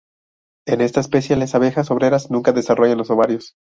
En esta especie las abejas obreras nunca desarrollan los ovarios.